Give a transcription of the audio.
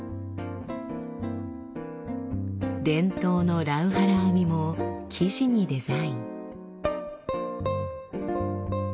伝統のラウハラ編みも生地にデザイン。